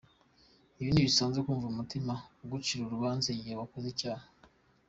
Ni ibisanzwe kumva umutima ugucira urubanza igihe wakoze icyaha.